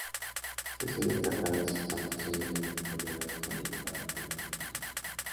Se suele tratar de sustancias sólidas incoloras con elevado punto de fusión.